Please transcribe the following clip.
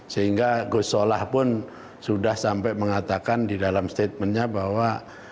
sehingga gus solah pun sudah sampai mengatakan di dalam statementnya bahwa